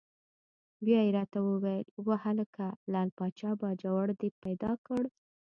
بیا یې را ته وویل: وهلکه لعل پاچا باجوړ دې پیدا کړ؟!